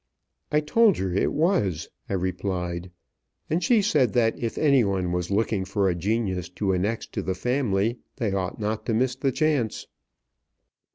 "I told her it was," I replied; "and she said that if any one was looking for a genius to annex to the family, they ought not to miss the chance."